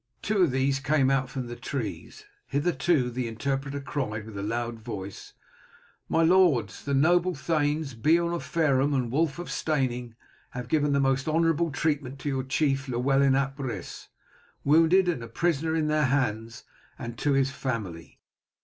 Two of these came out from the trees. "Hitherto," the interpreter cried with a loud voice, "my lords, the noble thanes, Beorn of Fareham and Wulf of Steyning, have given the most honourable treatment to your chief, Llewellyn ap Rhys, wounded and a prisoner in their hands, and to his family.